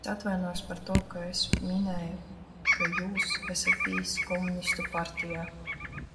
Es atvainojos par to, ka es minēju, ka jūs esat bijis komunistu partijā.